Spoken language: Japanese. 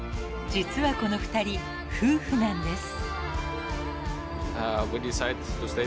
実はこの２人夫婦なんです］